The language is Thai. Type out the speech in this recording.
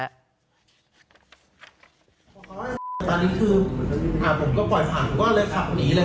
ตอนนี้คือผมก็ปล่อยผังก็เลยขับหนีเลย